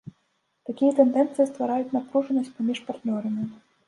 Такія тэндэнцыі ствараюць напружанасць паміж партнёрамі.